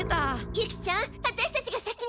ユキちゃんワタシたちが先に！